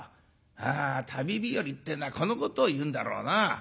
あ旅日和っていうのはこのことを言うんだろうな。